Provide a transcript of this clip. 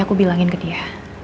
aku bilangin ke dia